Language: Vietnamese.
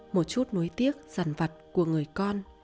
một chút nối tiếc rằn vặt của người con